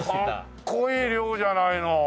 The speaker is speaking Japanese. かっこいい寮じゃないの！